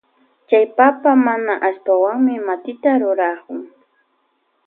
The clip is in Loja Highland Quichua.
Chay papa mana allpawanmi matita rurakun.